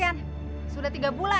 saya sudah selesai